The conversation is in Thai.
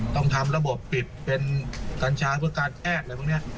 ต้องทำระบบปิดเป็นกัญชาเพื่อการแพทย์อะไรพวกนี้